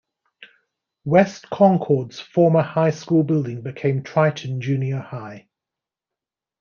West Concord's former high school building became Triton Junior High.